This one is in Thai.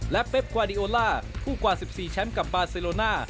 และเป๊กกวาดีโอล่าผู้กว่า๑๔แชมป์กับบาเซโลน่า